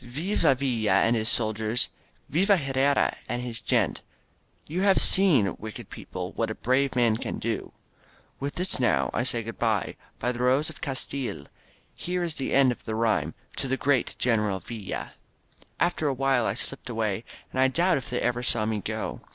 Viva ViUa and his soldiers! Viva Herrera and his gente! You have seen, wicked people. What a brave man can do. With this now I say good bye; By the Rose of Castile, Here is the end of my rhyme To the great General ViOaV* After a while I slipped away, and I doubt if they even saw me go.